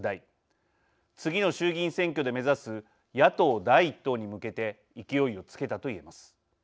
次の衆議院選挙で目指す野党第一党に向けて勢いをつけたと言えます。